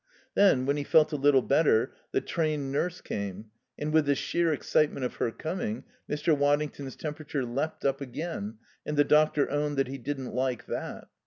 Then when he felt a little better the trained nurse came, and with the sheer excitement of her coming Mr. Waddington's temperature leapt up again, and the doctor owned that he didn't like that.